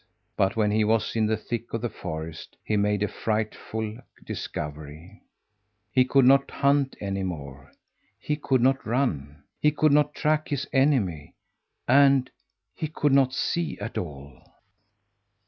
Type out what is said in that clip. But when he was in the thick of the forest he made a frightful discovery: He could not hunt any more, he could not run, he could not track his enemy, and he could not see at all!